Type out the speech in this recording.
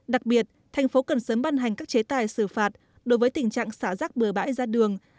đặc biệt tp hcm cần sớm ban hành các chế tài xử phạt đối với tình trạng xả rác bờ bãi ra đường